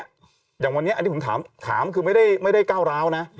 อย่างวันนี้อันนี้ผมถามคือไม่ได้ก้าวร้าวนะ